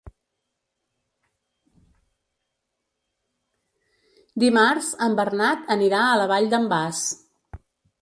Dimarts en Bernat anirà a la Vall d'en Bas.